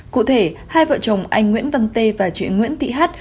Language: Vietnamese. cụ thể hai vợ chồng anh nguyễn văn tê và chị nguyễn thị hát